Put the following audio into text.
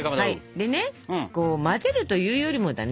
でねこう混ぜるというよりもだね。